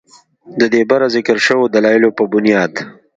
ددې بره ذکر شوو دلايلو پۀ بنياد